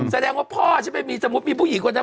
แสดงว่าพ่อฉันไม่มีสมมุติมีผู้หญิงคนนั้น